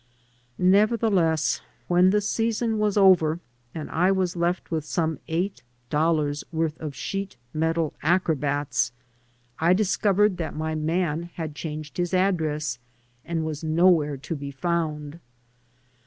Neverthe less, when the season was over and I was left with some eight dollars' worth of sheet metal acrobats, I discovered 109 AN AMERICAN IN THE MAKING that my man had changed his address and was nowhere to be found.